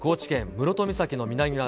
室戸岬の南側